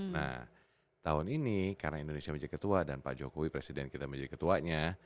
nah tahun ini karena indonesia menjadi ketua dan pak jokowi presiden kita menjadi ketuanya